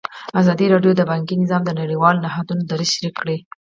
ازادي راډیو د بانکي نظام د نړیوالو نهادونو دریځ شریک کړی.